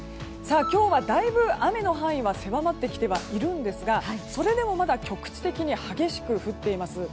今日はだいぶ雨の範囲は狭まってきてはいるんですがそれでもまだ局地的に激しく降っています。